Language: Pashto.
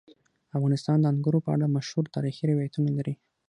افغانستان د انګورو په اړه مشهور تاریخي روایتونه لري.